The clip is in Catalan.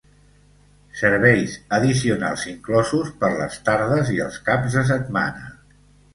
Serveis addicionals inclosos per les tardes i els caps de setmana.